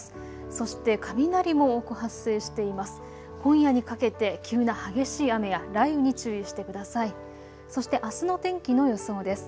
そして雷も多く発生しています。